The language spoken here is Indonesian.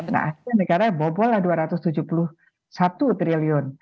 nah hasilnya negara bobol lah dua ratus tujuh puluh satu triliun